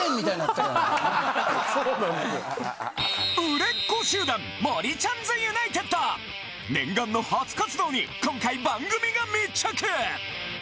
売れっ子集団もりちゃんずユナイテッド念願の初活動に今回番組が密着！